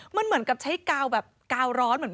มันเหมือนกับใช้กาวแบบกาวร้อนเหมือน